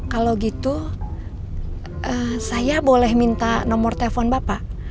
kalau gitu saya boleh minta nomor telepon bapak